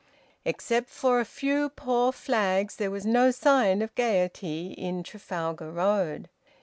Except for a few poor flags, there was no sign of gaiety in Trafalgar Road.